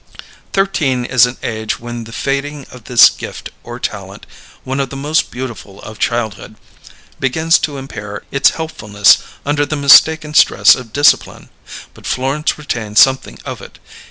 Thirteen is an age when the fading of this gift or talent, one of the most beautiful of childhood, begins to impair its helpfulness under the mistaken stress of discipline; but Florence retained something of it.